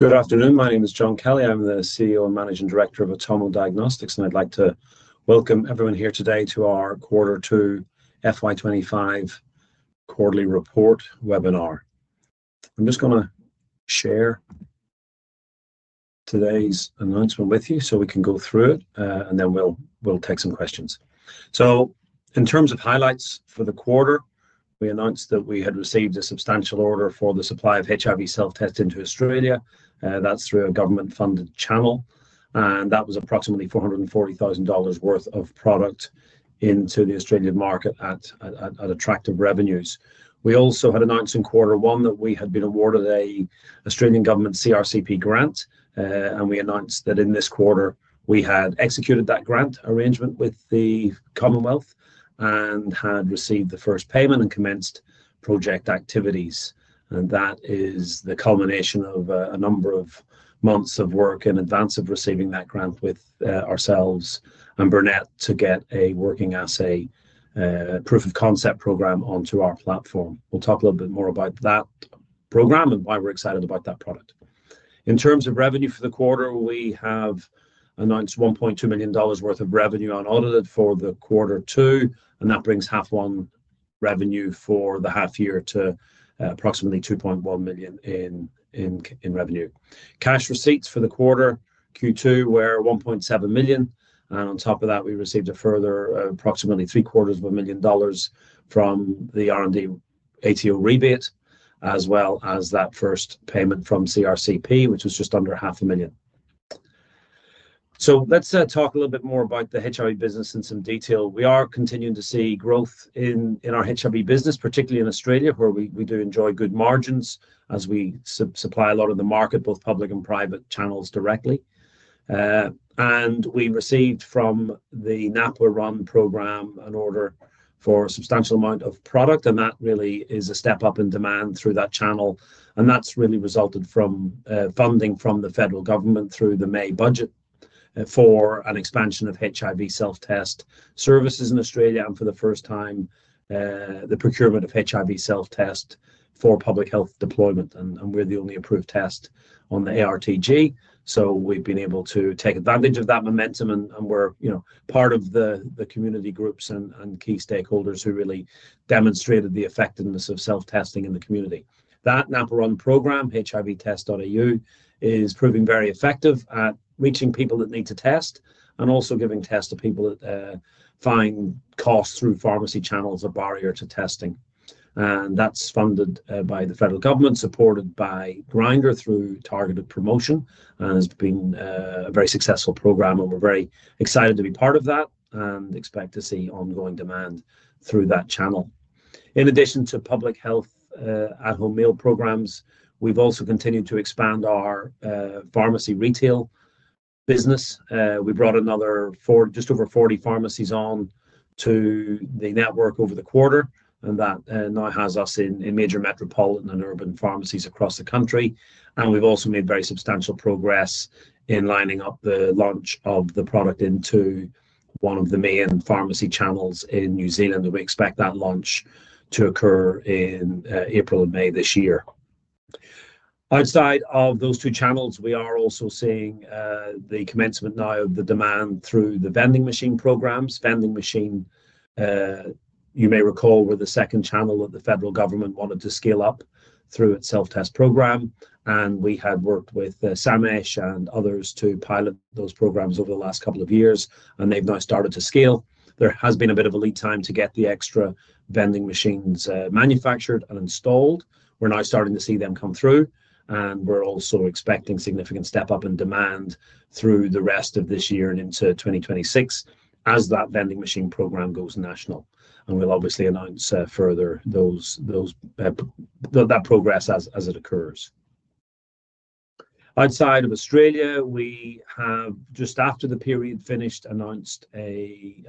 Good afternoon. My name is John Kelly. I'm the CEO and Managing Director of Atomo Diagnostics, and I'd like to welcome everyone here today to our Q2 FY25 Quarterly Report webinar. I'm just going to share today's announcement with you so we can go through it, and then we'll take some questions. In terms of highlights for the quarter, we announced that we had received a substantial order for the supply of HIV self-testing to Australia. That's through a government-funded channel, and that was approximately 440,000 dollars worth of product into the Australian market at attractive revenues. We also had announced in Quarter 1 that we had been awarded an Australian Government CRC-P grant, and we announced that in this quarter we had executed that grant arrangement with the Commonwealth and had received the first payment and commenced project activities. That is the culmination of a number of months of work in advance of receiving that grant with ourselves and Burnet to get a working assay proof of concept program onto our platform. We'll talk a little bit more about that program and why we're excited about that product. In terms of revenue for the quarter, we have announced 1.2 million dollars worth of revenue unaudited for the Quarter 2, and that brings H1 revenue for the half-year to approximately 2.1 million in revenue. Cash receipts for the Quarter 2 were 1.7 million, and on top of that, we received a further approximately 3.25 million dollars from the R&D ATO rebate, as well as that first payment from CRCP, which was just under 500,000. Let's talk a little bit more about the HIV business in some detail. We are continuing to see growth in our HIV business, particularly in Australia, where we do enjoy good margins as we supply a lot of the market, both public and private channels directly. We received from the NAPWHA-run program an order for a substantial amount of product, and that really is a step up in demand through that channel. That's really resulted from funding from the Federal Government through the May budget for an expansion of HIV self-test services in Australia, and for the first time, the procurement of HIV self-test for public health deployment. We're the only approved test on the ARTG, so we've been able to take advantage of that momentum, and we're part of the community groups and key stakeholders who really demonstrated the effectiveness of self-testing in the community. That NAPWHA run program, HIVtest.au, is proving very effective at reaching people that need to test and also giving tests to people that find costs through pharmacy channels a barrier to testing. And that's funded by the Federal Government, supported by Grindr through targeted promotion, and has been a very successful program. And we're very excited to be part of that and expect to see ongoing demand through that channel. In addition to public health at-home mail programs, we've also continued to expand our pharmacy retail business. We brought just over 40 pharmacies on to the network over the quarter, and that now has us in major metropolitan and urban pharmacies across the country. And we've also made very substantial progress in lining up the launch of the product into one of the main pharmacy channels in New Zealand, and we expect that launch to occur in April and May this year. Outside of those two channels, we are also seeing the commencement now of the demand through the vending machine programs. Vending machine, you may recall, were the second channel that the Federal Government wanted to scale up through its self-test program, and we had worked with SAMHSA and others to pilot those programs over the last couple of years, and they've now started to scale. There has been a bit of a lead time to get the extra vending machines manufactured and installed. We're now starting to see them come through, and we're also expecting a significant step up in demand through the rest of this year and into 2026 as that vending machine program goes national, and we'll obviously announce further that progress as it occurs. Outside of Australia, we have, just after the period finished, announced a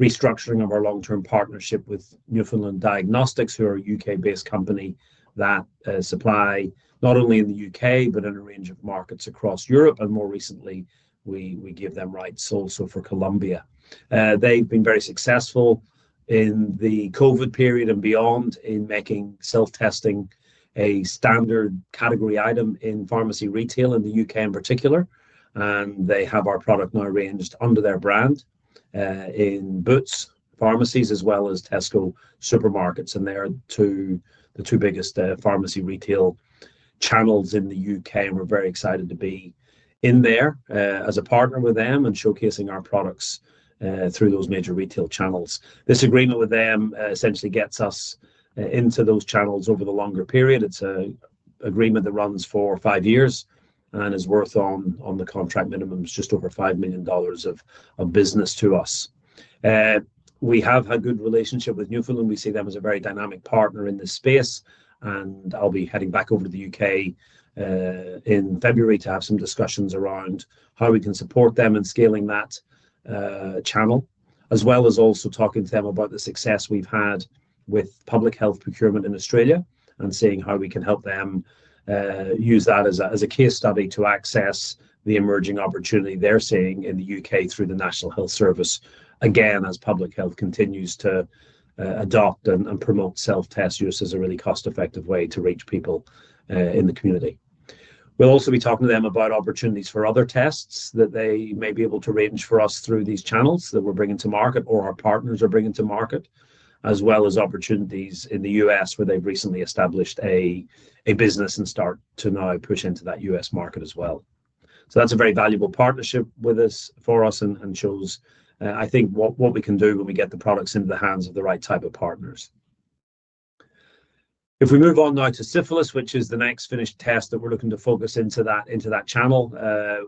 restructuring of our long-term partnership with Newfoundland Diagnostics, who are a U.K.-based company that supply not only in the U.K. but in a range of markets across Europe, and more recently, we give them rights also for Colombia. They've been very successful in the COVID period and beyond in making self-testing a standard category item in pharmacy retail in the U.K. in particular, and they have our product now arranged under their brand in Boots pharmacies as well as Tesco Supermarkets. And they are the two biggest pharmacy retail channels in the U.K., and we're very excited to be in there as a partner with them and showcasing our products through those major retail channels. This agreement with them essentially gets us into those channels over the longer period. It's an agreement that runs for five years and is worth on the contract minimums just over 5 million dollars of business to us. We have a good relationship with Newfoundland. We see them as a very dynamic partner in this space, and I'll be heading back over to the U.K. in February to have some discussions around how we can support them in scaling that channel, as well as also talking to them about the success we've had with public health procurement in Australia and seeing how we can help them use that as a case study to access the emerging opportunity they're seeing in the U.K. through the National Health Service. Again, as public health continues to adopt and promote self-test, use as a really cost-effective way to reach people in the community. We'll also be talking to them about opportunities for other tests that they may be able to arrange for us through these channels that we're bringing to market or our partners are bringing to market, as well as opportunities in the U.S. where they've recently established a business and start to now push into that U.S. market as well, so that's a very valuable partnership for us and shows, I think, what we can do when we get the products into the hands of the right type of partners. If we move on now to Syphilis, which is the next finished test that we're looking to focus into that channel,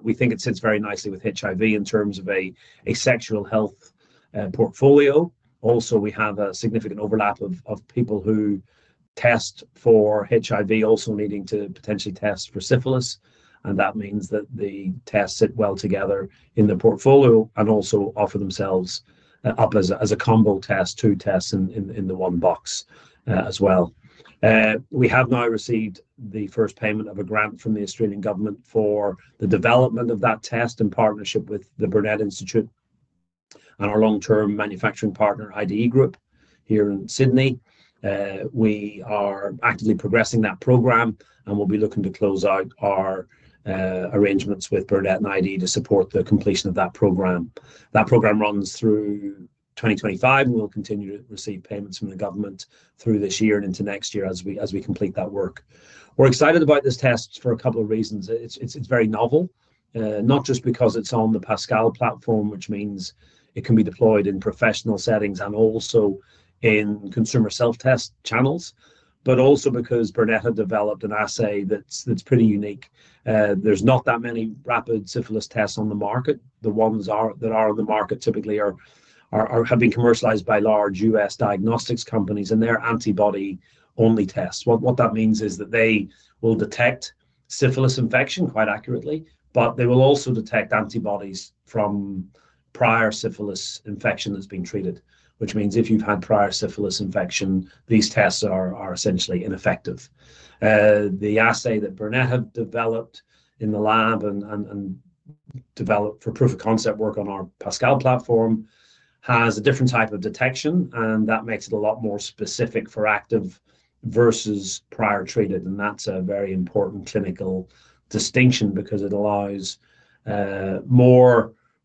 we think it sits very nicely with HIV in terms of a sexual health portfolio. Also, we have a significant overlap of people who test for HIV also needing to potentially test for syphilis, and that means that the tests sit well together in the portfolio and also offer themselves up as a combo test, two tests in the one box as well. We have now received the first payment of a grant from the Australian Government for the development of that test in partnership with the Burnet Institute and our long-term manufacturing partner, IDE Group, here in Sydney. We are actively progressing that program, and we'll be looking to close out our arrangements with Burnet and IDE to support the completion of that program. That program runs through 2025, and we'll continue to receive payments from the government through this year and into next year as we complete that work. We're excited about this test for a couple of reasons. It's very novel, not just because it's on the Pascal platform, which means it can be deployed in professional settings and also in consumer self-test channels, but also because Burnet had developed an assay that's pretty unique. There's not that many rapid Syphilis tests on the market. The ones that are on the market typically have been commercialized by large U.S. diagnostics companies, and they're antibody-only tests. What that means is that they will detect Syphilis infection quite accurately, but they will also detect antibodies from prior Syphilis infection that's been treated, which means if you've had prior Syphilis infection, these tests are essentially ineffective. The assay that Burnet had developed in the lab and developed for proof of concept work on our Pascal platform has a different type of detection, and that makes it a lot more specific for active versus prior treated. That's a very important clinical distinction because it allows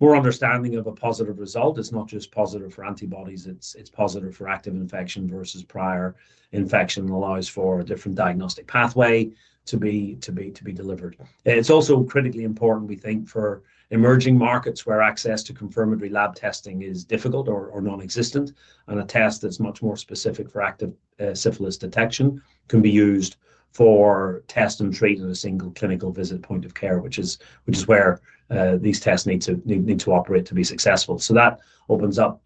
more understanding of a positive result. It's not just positive for antibodies; it's positive for active infection versus prior infection and allows for a different diagnostic pathway to be delivered. It's also critically important, we think, for emerging markets where access to confirmatory lab testing is difficult or nonexistent, and a test that's much more specific for active Syphilis detection can be used for test-and-treat in a single clinical visit point of care, which is where these tests need to operate to be successful. That opens up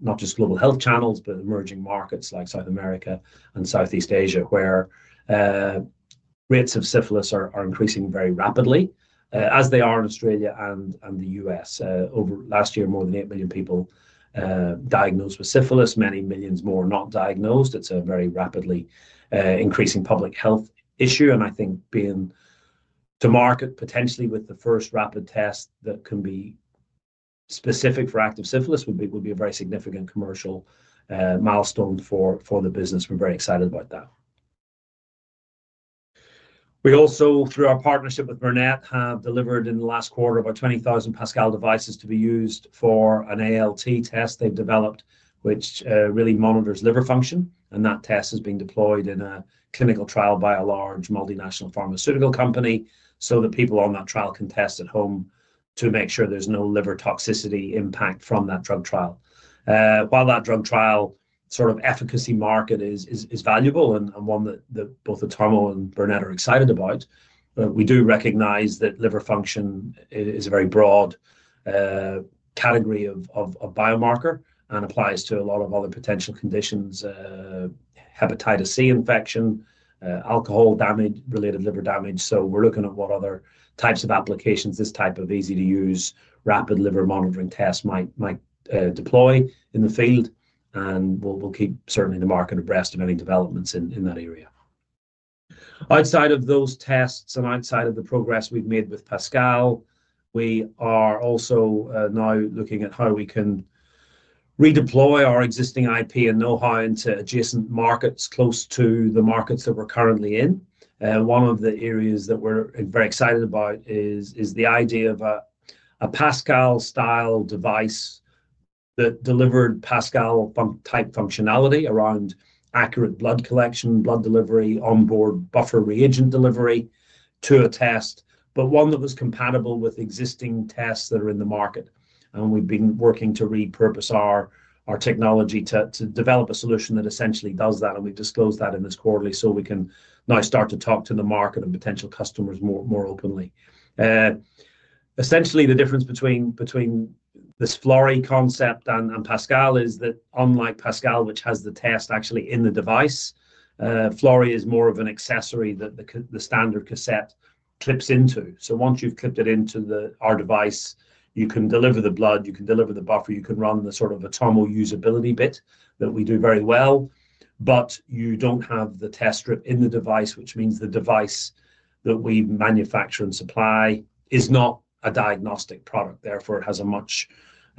not just global health channels, but emerging markets like South America and Southeast Asia, where rates of Syphilis are increasing very rapidly, as they are in Australia and the US. Over last year, more than eight million people diagnosed with Syphilis, many millions more not diagnosed. It's a very rapidly increasing public health issue, and I think being to market potentially with the first rapid test that can be specific for active Syphilis would be a very significant commercial milestone for the business. We're very excited about that. We also, through our partnership with Burnet, have delivered in the last quarter about 20,000 Pascal devices to be used for an ALT test they've developed, which really monitors liver function, and that test has been deployed in a clinical trial by a large multinational pharmaceutical company so that people on that trial can test at home to make sure there's no liver toxicity impact from that drug trial. While that drug trial sort of efficacy market is valuable and one that both Atomo and Burnet are excited about, we do recognize that liver function is a very broad category of biomarker and applies to a lot of other potential conditions: hepatitis C infection, alcohol-related liver damage. So we're looking at what other types of applications this type of easy-to-use, rapid liver monitoring test might deploy in the field, and we'll keep certainly the market abreast of any developments in that area. Outside of those tests and outside of the progress we've made with Pascal, we are also now looking at how we can redeploy our existing IP and know-how into adjacent markets close to the markets that we're currently in. One of the areas that we're very excited about is the idea of a Pascal-style device that delivered Pascal-type functionality around accurate blood collection, blood delivery, onboard buffer reagent delivery to a test, but one that was compatible with existing tests that are in the market, and we've been working to repurpose our technology to develop a solution that essentially does that, and we've disclosed that in this quarterly, so we can now start to talk to the market and potential customers more openly. Essentially, the difference between this Florey concept and Pascal is that, unlike Pascal, which has the test actually in the device, Florey is more of an accessory that the standard cassette clips into. So once you've clipped it into our device, you can deliver the blood, you can deliver the buffer, you can run the sort of Atomo usability bit that we do very well, but you don't have the test strip in the device, which means the device that we manufacture and supply is not a diagnostic product. Therefore, it has a much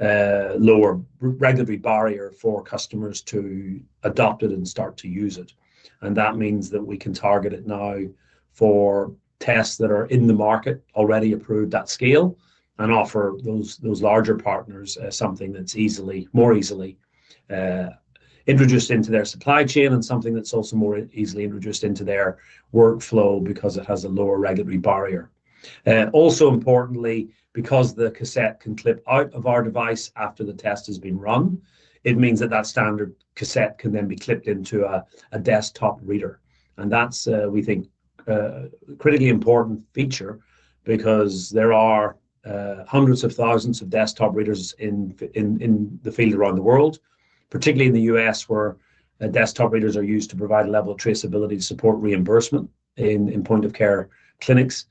lower regulatory barrier for customers to adopt it and start to use it. And that means that we can target it now for tests that are in the market already approved at scale and offer those larger partners something that's more easily introduced into their supply chain and something that's also more easily introduced into their workflow because it has a lower regulatory barrier. Also importantly, because the cassette can clip out of our device after the test has been run, it means that that standard cassette can then be clipped into a desktop reader, and that's, we think, a critically important feature because there are hundreds of thousands of desktop readers in the field around the world, particularly in the U.S., where desktop readers are used to provide a level of traceability to support reimbursement in point-of-care clinics,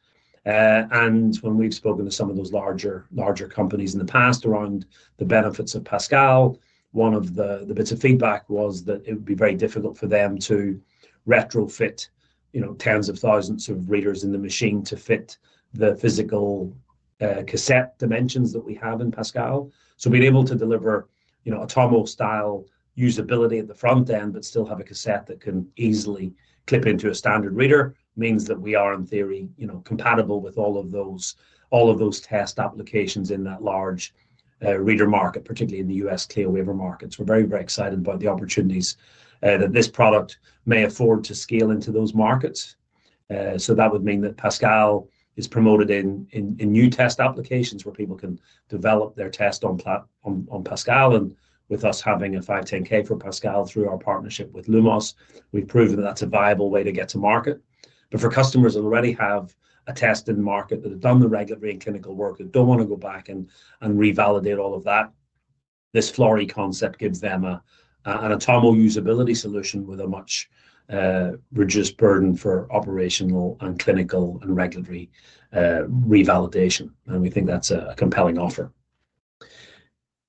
and when we've spoken to some of those larger companies in the past around the benefits of Pascal, one of the bits of feedback was that it would be very difficult for them to retrofit tens of thousands of readers in the machine to fit the physical cassette dimensions that we have in Pascal. So being able to deliver Atomo-style usability at the front end but still have a cassette that can easily clip into a standard reader means that we are, in theory, compatible with all of those test applications in that large reader market, particularly in the U.S. CLIA-waiver markets. We're very, very excited about the opportunities that this product may afford to scale into those markets, so that would mean that Pascal is promoted in new test applications where people can develop their test on Pascal, and with us having a 510(k) for Pascal through our partnership with Lumos, we've proven that that's a viable way to get to market. But for customers who already have a test in the market that have done the regulatory and clinical work that don't want to go back and revalidate all of that, this Florey concept gives them an Atomo usability solution with a much reduced burden for operational and clinical and regulatory revalidation. And we think that's a compelling offer.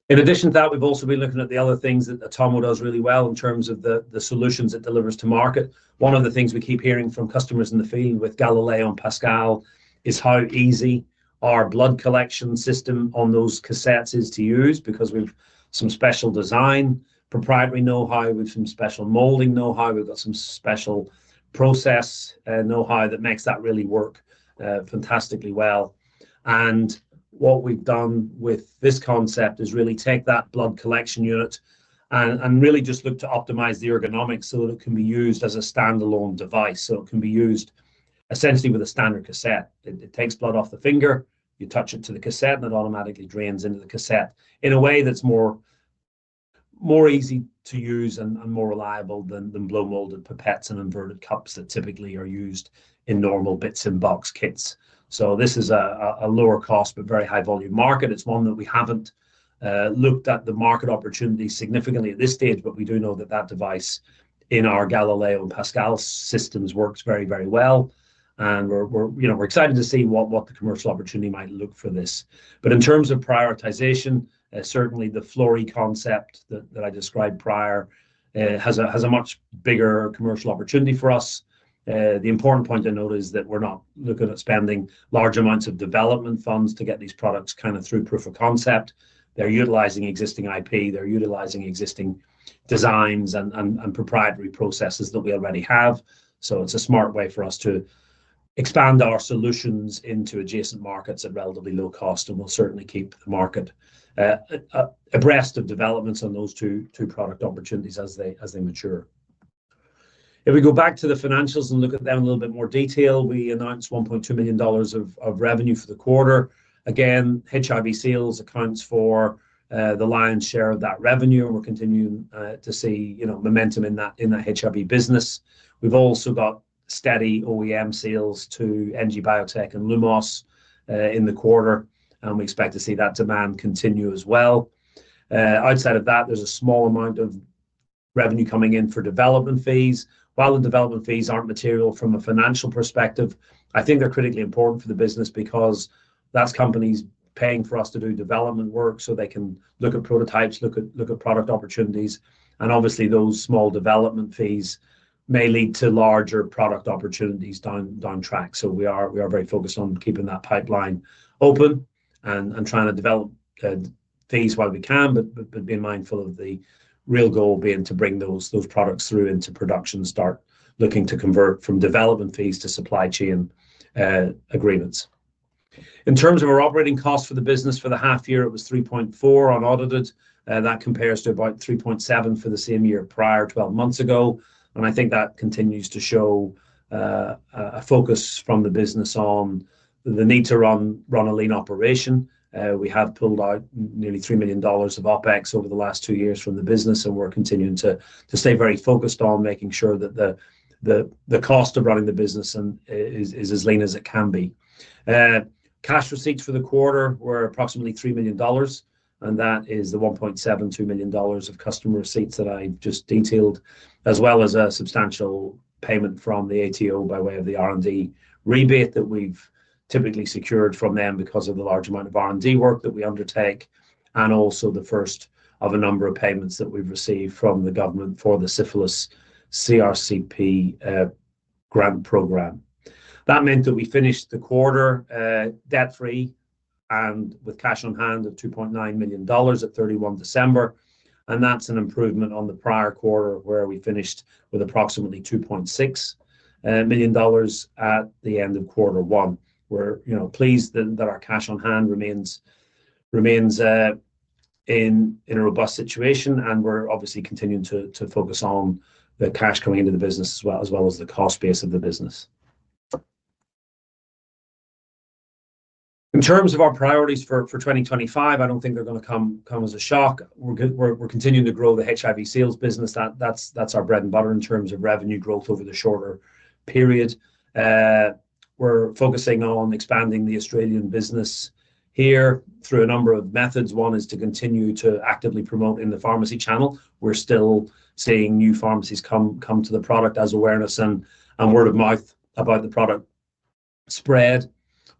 In addition to that, we've also been looking at the other things that Atomo does really well in terms of the solutions it delivers to market. One of the things we keep hearing from customers in the field with Galileo and Pascal is how easy our blood collection system on those cassettes is to use because we've some special design proprietary know-how. We've some special molding know-how. We've got some special process know-how that makes that really work fantastically well. And what we've done with this concept is really take that blood collection unit and really just look to optimize the ergonomics so that it can be used as a standalone device. So it can be used essentially with a standard cassette. It takes blood off the finger. You touch it to the cassette, and it automatically drains into the cassette in a way that's more easy to use and more reliable than blow-molded pipettes and inverted cups that typically are used in normal bits-in-box kits. So this is a lower-cost but very high-volume market. It's one that we haven't looked at the market opportunity significantly at this stage, but we do know that that device in our Galileo and Pascal systems works very, very well. And we're excited to see what the commercial opportunity might look for this. But in terms of prioritization, certainly the Florey concept that I described prior has a much bigger commercial opportunity for us. The important point to note is that we're not looking at spending large amounts of development funds to get these products kind of through proof of concept. They're utilizing existing IP. They're utilizing existing designs and proprietary processes that we already have. So it's a smart way for us to expand our solutions into adjacent markets at relatively low cost, and we'll certainly keep the market abreast of developments on those two product opportunities as they mature. If we go back to the financials and look at them in a little bit more detail, we announced 1.2 million dollars of revenue for the quarter. Again, HIV sales accounts for the lion's share of that revenue, and we're continuing to see momentum in that HIV business. We've also got steady OEM sales to NG Biotech and Lumos in the quarter, and we expect to see that demand continue as well. Outside of that, there's a small amount of revenue coming in for development fees. While the development fees aren't material from a financial perspective, I think they're critically important for the business because that's companies paying for us to do development work so they can look at prototypes, look at product opportunities. And obviously, those small development fees may lead to larger product opportunities down track. So we are very focused on keeping that pipeline open and trying to develop fees while we can, but being mindful of the real goal being to bring those products through into production and start looking to convert from development fees to supply chain agreements. In terms of our operating cost for the business for the half year, it was 3.4m audited. That compares to about 3.7m for the same year prior, 12 months ago. And I think that continues to show a focus from the business on the need to run a lean operation. We have pulled out nearly 3 million dollars of OpEx over the last two years from the business, and we're continuing to stay very focused on making sure that the cost of running the business is as lean as it can be. Cash receipts for the quarter were approximately 3 million dollars, and that is the 1.72 million dollars of customer receipts that I've just detailed, as well as a substantial payment from the ATO by way of the R&D rebate that we've typically secured from them because of the large amount of R&D work that we undertake, and also the first of a number of payments that we've received from the government for the Syphilis CRC-P grant program. That meant that we finished the quarter debt-free and with cash on hand of 2.9 million dollars at 31 December. That's an improvement on the prior quarter where we finished with approximately 2.6 million dollars at the end of Q1. We're pleased that our cash on hand remains in a robust situation, and we're obviously continuing to focus on the cash coming into the business as well as the cost base of the business. In terms of our priorities for 2025, I don't think they're going to come as a shock. We're continuing to grow the HIV sales business. That's our bread and butter in terms of revenue growth over the shorter period. We're focusing on expanding the Australian business here through a number of methods. One is to continue to actively promote in the pharmacy channel. We're still seeing new pharmacies come to the product as awareness and word of mouth about the product spread.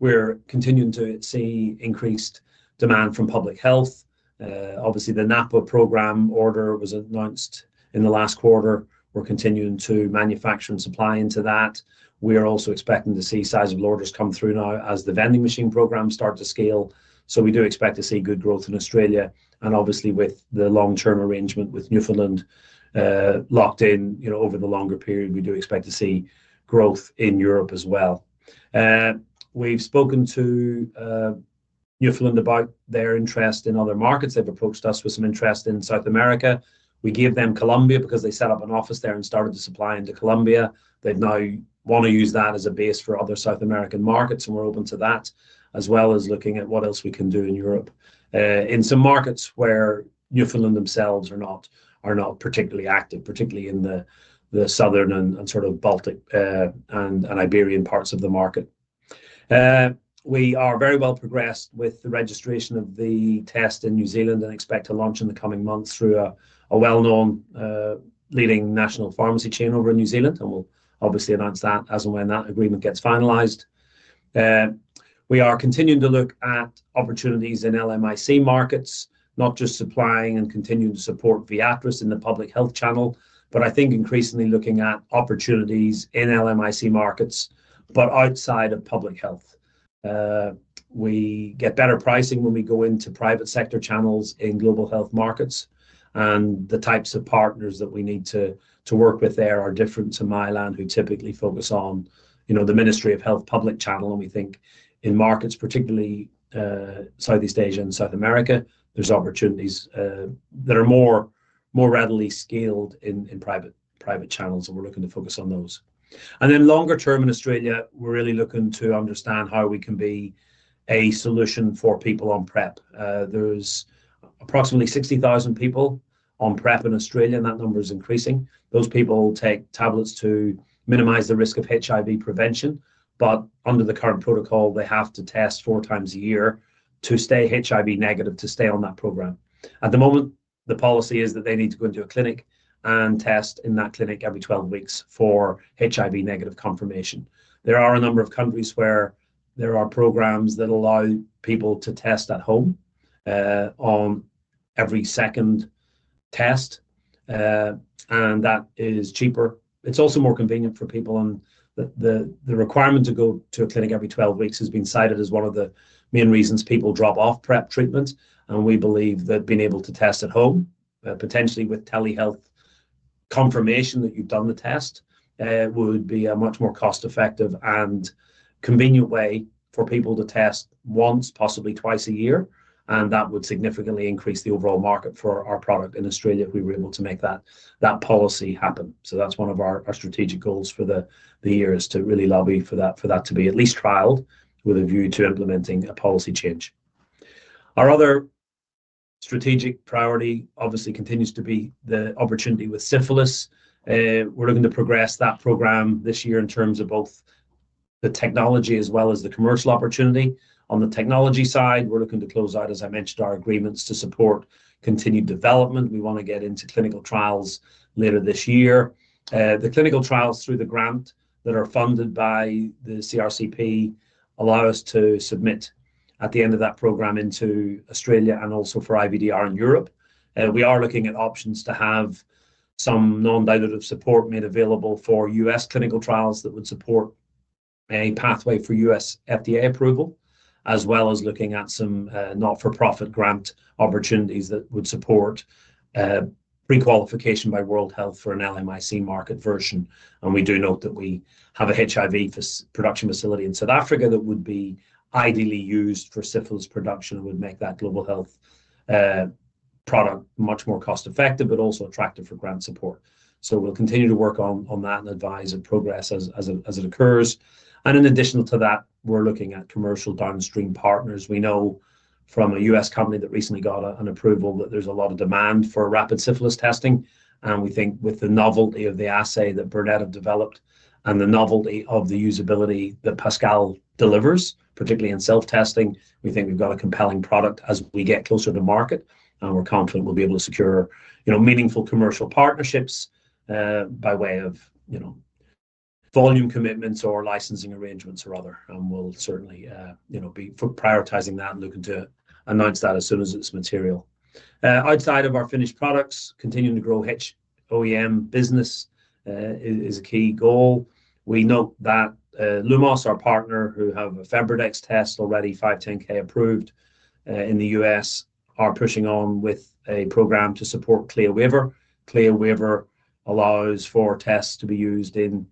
We're continuing to see increased demand from public health. Obviously, the NAPWHA program order was announced in the last quarter. We're continuing to manufacture and supply into that. We are also expecting to see sizable orders come through now as the vending machine program starts to scale. So we do expect to see good growth in Australia. Obviously, with the long-term arrangement with Newfoundland locked in over the longer period, we do expect to see growth in Europe as well. We've spoken to Newfoundland about their interest in other markets. They've approached us with some interest in South America. We gave them Colombia because they set up an office there and started to supply into Colombia. They'd now want to use that as a base for other South American markets, and we're open to that, as well as looking at what else we can do in Europe in some markets where Newfoundland themselves are not particularly active, particularly in the southern and sort of Baltic and Iberian parts of the market. We are very well progressed with the registration of the test in New Zealand and expect to launch in the coming months through a well-known leading national pharmacy chain over in New Zealand, and we'll obviously announce that as and when that agreement gets finalized. We are continuing to look at opportunities in LMIC markets, not just supplying and continuing to support Viatris in the public health channel, but I think increasingly looking at opportunities in LMIC markets, but outside of public health. We get better pricing when we go into private sector channels in global health markets, and the types of partners that we need to work with there are different to Mylan, who typically focus on the Ministry of Health public channel. And we think in markets, particularly Southeast Asia and South America, there's opportunities that are more readily scaled in private channels, and we're looking to focus on those. And then longer term in Australia, we're really looking to understand how we can be a solution for people on PrEP. There's approximately 60,000 people on PrEP in Australia, and that number is increasing. Those people take tablets to minimize the risk of HIV prevention, but under the current protocol, they have to test four times a year to stay HIV negative, to stay on that program. At the moment, the policy is that they need to go into a clinic and test in that clinic every 12 weeks for HIV negative confirmation. There are a number of countries where there are programs that allow people to test at home on every second test, and that is cheaper. It's also more convenient for people, and the requirement to go to a clinic every 12 weeks has been cited as one of the main reasons people drop off PrEP treatments, and we believe that being able to test at home, potentially with telehealth confirmation that you've done the test, would be a much more cost-effective and convenient way for people to test once, possibly twice a year, and that would significantly increase the overall market for our product in Australia if we were able to make that policy happen, so that's one of our strategic goals for the year, is to really lobby for that to be at least trialed with a view to implementing a policy change. Our other strategic priority obviously continues to be the opportunity with Syphilis. We're looking to progress that program this year in terms of both the technology as well as the commercial opportunity. On the technology side, we're looking to close out, as I mentioned, our agreements to support continued development. We want to get into clinical trials later this year. The clinical trials through the grant that are funded by the CRC-P allow us to submit at the end of that program into Australia and also for IVDR in Europe. We are looking at options to have some non-dilutive support made available for U.S. clinical trials that would support a pathway for U.S. FDA approval, as well as looking at some not-for-profit grant opportunities that would support pre-qualification by World Health for an LMIC market version. We do note that we have a HIV production facility in South Africa that would be ideally used for Syphilis production and would make that global health product much more cost-effective but also attractive for grant support. So we'll continue to work on that and advise of progress as it occurs. In addition to that, we're looking at commercial downstream partners. We know from a U.S. company that recently got an approval that there's a lot of demand for rapid Syphilis testing. We think with the novelty of the assay that Burnet developed and the novelty of the usability that Pascal delivers, particularly in self-testing, we think we've got a compelling product as we get closer to market. We're confident we'll be able to secure meaningful commercial partnerships by way of volume commitments or licensing arrangements or other. We'll certainly be prioritizing that and looking to announce that as soon as it's material. Outside of our finished products, continuing to grow OEM business is a key goal. We note that Lumos, our partner, who have a FebriDx test already 510(k) approved in the U.S., are pushing on with a program to support CLIA waiver. CLIA waiver allows for tests to be used in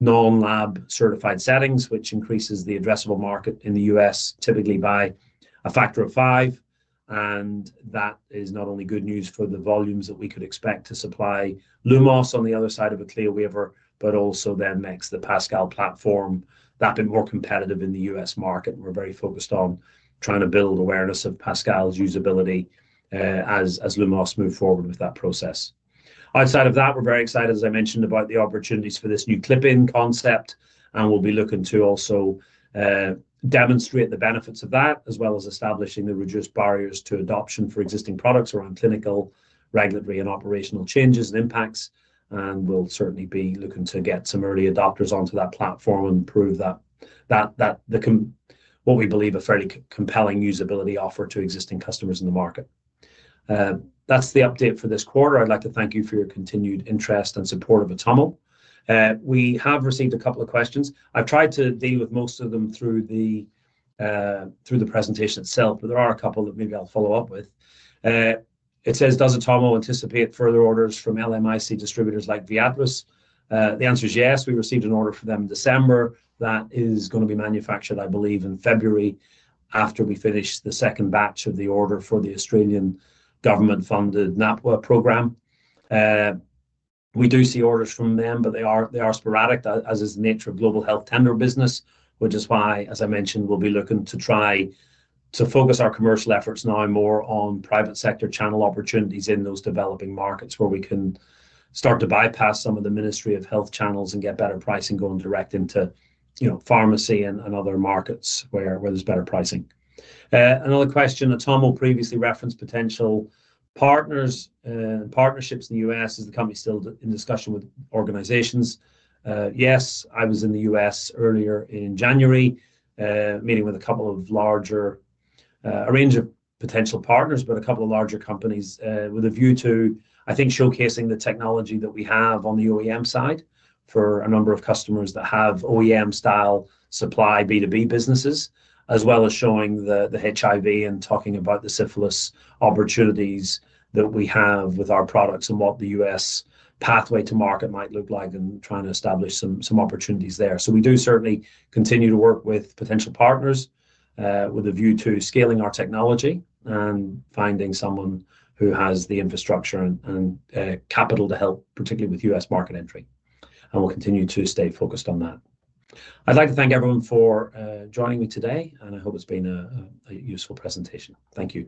non-lab certified settings, which increases the addressable market in the U.S. typically by a factor of five. And that is not only good news for the volumes that we could expect to supply Lumos on the other side of a CLIA waiver, but also then makes the Pascal platform that bit more competitive in the U.S. market. We're very focused on trying to build awareness of Pascal's usability as Lumos moves forward with that process. Outside of that, we're very excited, as I mentioned, about the opportunities for this new clipping concept, and we'll be looking to also demonstrate the benefits of that, as well as establishing the reduced barriers to adoption for existing products around clinical regulatory and operational changes and impacts, and we'll certainly be looking to get some early adopters onto that platform and prove that what we believe a fairly compelling usability offer to existing customers in the market. That's the update for this quarter. I'd like to thank you for your continued interest and support of Atomo. We have received a couple of questions. I've tried to deal with most of them through the presentation itself, but there are a couple that maybe I'll follow up with. It says, "Does Atomo anticipate further orders from LMIC distributors like Viatris?" The answer is yes. We received an order for them in December. That is going to be manufactured, I believe, in February after we finish the second batch of the order for the Australian government-funded NAPWHA program. We do see orders from them, but they are sporadic, as is the nature of global health tender business, which is why, as I mentioned, we'll be looking to try to focus our commercial efforts now more on private sector channel opportunities in those developing markets where we can start to bypass some of the Ministry of Health channels and get better pricing going direct into pharmacy and other markets where there's better pricing. Another question, "Atomo previously referenced potential partners and partnerships in the U.S. Is the company still in discussion with organizations?" Yes, I was in the U.S. earlier in January, meeting with a couple of larger companies with a view to, I think, showcasing the technology that we have on the OEM side for a number of customers that have OEM-style supply B2B businesses, as well as showing the HIV and talking about the Syphilis opportunities that we have with our products and what the U.S. pathway to market might look like and trying to establish some opportunities there. So we do certainly continue to work with potential partners with a view to scaling our technology and finding someone who has the infrastructure and capital to help, particularly with U.S. market entry. We'll continue to stay focused on that. I'd like to thank everyone for joining me today, and I hope it's been a useful presentation. Thank you.